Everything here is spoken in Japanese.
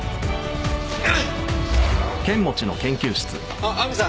あっ亜美さん